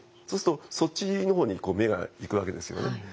そうするとそっちの方に目が行くわけですよね。